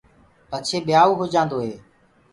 پڇي ٻيآئوٚ هوجآندو هي۔